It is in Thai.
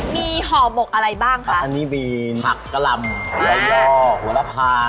มีห่อหมกอะไรบ้างคะอันนี้มีผักกะลำไส้ยอกหัวละพา